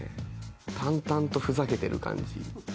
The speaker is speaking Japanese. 淡々とふざけてる感じ